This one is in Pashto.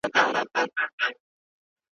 چي یې موږ ته دي جوړ کړي وران ویجاړ کلي د کونډو